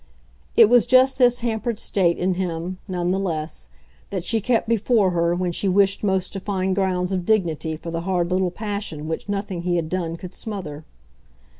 It was just this hampered state in him, none the less, that she kept before her when she wished most to find grounds of dignity for the hard little passion which nothing he had done could smother.